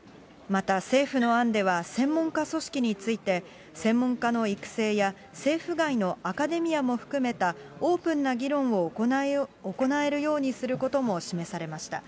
また政府の案では、専門家組織について、専門家の育成や政府外のアカデミアも含めたオープンな議論を行えるようにすることも示されました。